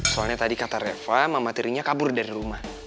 soalnya tadi kata reva mama tirinya kabur dari rumah